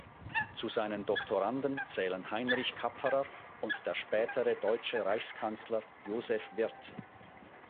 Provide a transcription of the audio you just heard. Zu seinen Doktoranden zählen Heinrich Kapferer und der spätere deutsche Reichskanzler Joseph Wirth.